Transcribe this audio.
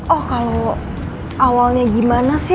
oh kalau awalnya gimana sih